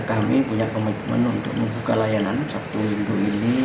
dua ribu delapan belas kami punya komitmen untuk membuka layanan sabtu dan minggu ini